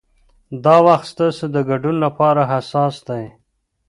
دا وخت ستاسو د ګډون لپاره حساس دی.